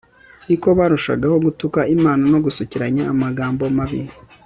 ni ko barushagaho gutuka imana no gusukiranya amagambo mabi